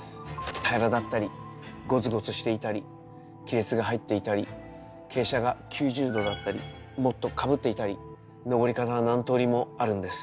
平らだったりゴツゴツしていたり亀裂が入っていたり傾斜が９０度だったりもっとかぶっていたり登り方は何通りもあるんです。